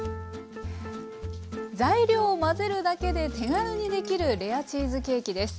材料を混ぜるだけで手軽にできるレアチーズケーキです。